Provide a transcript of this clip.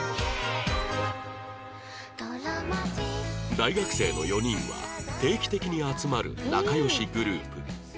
大学生の４人は定期的に集まる仲良しグループ